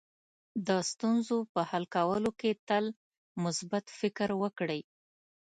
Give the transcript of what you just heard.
د ستونزو په حل کولو کې تل مثبت فکر وکړئ.